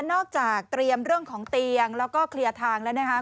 เตรียมเรื่องของเตียงแล้วก็เคลียร์ทางแล้วนะคะ